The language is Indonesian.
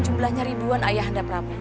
sebelahnya ribuan ayahanda prabu